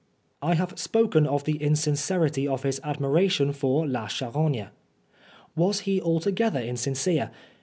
I have spoken of the insincerity of his admiration for La Charogne. Was he al together insincere